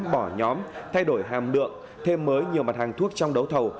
bỏ nhóm thay đổi hàm lượng thêm mới nhiều mặt hàng thuốc trong đấu thầu